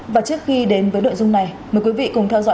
và trước khi đến với nội dung này mời quý vị cùng theo dõi